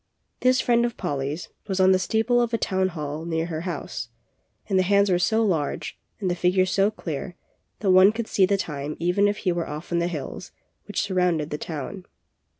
This friend of Polly's was on the steeple of a town hall near her house, and the hands were so large and the figures so clear that one could see the time even if he were off on the hills which surrounded the town.